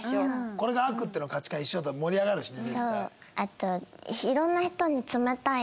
これが悪っていうの価値観が一緒だったら盛り上がるしね。